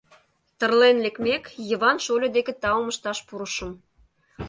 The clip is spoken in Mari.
Тырлен лекмек, Йыван шольо деке таум ышташ пурышым.